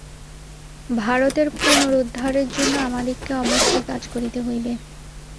ভারতের পুনরুদ্ধারের জন্য আমাদিগকে অবশ্যই কাজ করিতে হইবে।